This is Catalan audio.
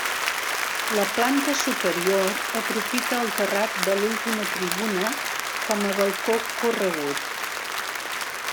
La planta superior aprofita el terrat de l'última tribuna com a balcó corregut.